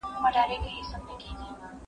زه به سپينکۍ مينځلي وي!!